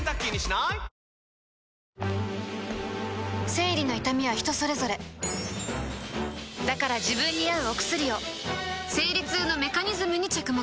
生理の痛みは人それぞれだから自分に合うお薬を生理痛のメカニズムに着目